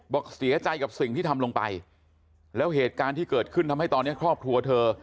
บอกเสียใจกับสิ่งที่ทำลงไปแล้วเหตุการณ์ที่เกิดขึ้นทำให้ตอนนี้ครอบครัวเธอ